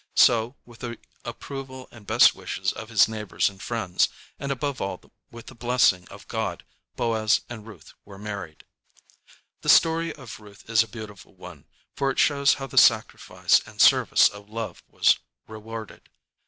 So, with the approval and best wishes of his neighbors and friends, and above all with the blessing of God, Boaz and Ruth were married. The story of Ruth is a beautiful one, for it shows how the sacrifice and service of love was rewarded.